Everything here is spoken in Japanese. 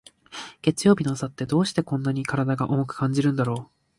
月曜日の朝って、どうしてこんなに体が重く感じるんだろう。